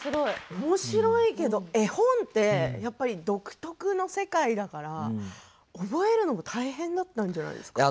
おもしろいけど絵本って独特の世界だから覚えるのも大変だったんじゃないですか？